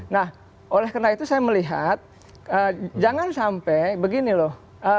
nah oleh karena itu saya melihat jangan sampai begini loh